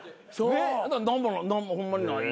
何もホンマにない。